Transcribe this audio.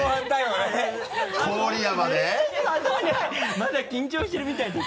まだ緊張してるみたいです。